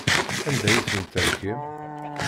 Anda ay ten-terkim?